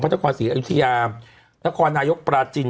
พระเจ้าความศรีอายุทิยานครนายกปราจิน